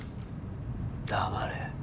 黙れ。